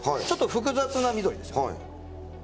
ちょっと複雑な緑です。